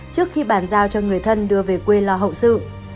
trước khi bàn giao cho người thân đưa về quê lo hậu sự